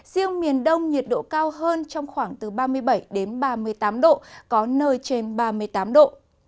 riêng miền đông nhiệt độ cao hơn trong khoảng từ ba mươi bảy đến ba mươi tám độ có nơi trên ba mươi tám độ